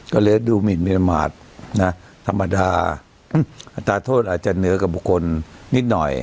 ก็เลยดูหมินมาตรนะธรรมดาอัตราโทษอาจจะเหนือกับบุคคลนิดหน่อย